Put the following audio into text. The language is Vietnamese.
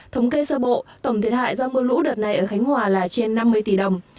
thống kê sơ bộ tổng thiệt hại do mưa lũ đợt này ở khánh hòa là trên năm mươi tỷ đồng